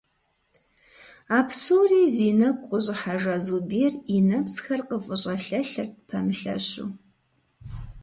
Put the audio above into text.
А псори зи нэгу къыщIыхьэжа Зубер и нэпсхэр къыфIыщIэлъэлъырт, пэмылъэщу.